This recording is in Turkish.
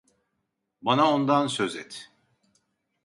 Bana ondan söz et.